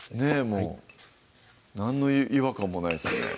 もう何の違和感もないですよね